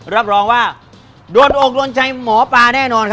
รับรองว่าโดดอกลวงใจหมอป๊าแน่นอน